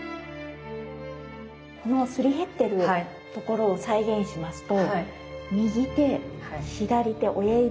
このすり減ってるところを再現しますと右手左手親指